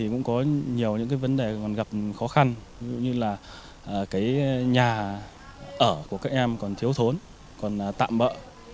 cũng có nhiều những vấn đề còn gặp khó khăn như là nhà ở của các em còn thiếu thốn còn tạm bỡ